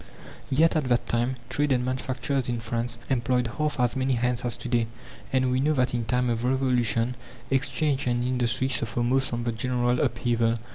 Yet at that time trade and manufacturers in France employed half as many hands as to day. And we know that in time of Revolution exchange and industry suffer most from the general upheaval.